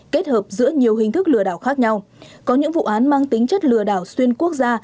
kết hợp giữa nhiều hình thức lừa đảo khác nhau có những vụ án mang tính chất lừa đảo xuyên quốc gia